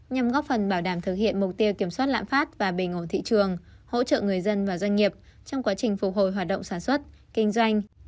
nhằm góp phần bảo đảm thực hiện mục tiêu kiểm soát lãm phát và bình ổn thị trường hỗ trợ người dân và doanh nghiệp trong quá trình phục hồi hoạt động sản xuất kinh doanh